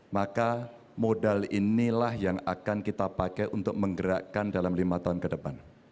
maka modal inilah yang akan kita pakai untuk menggerakkan dalam lima tahun ke depan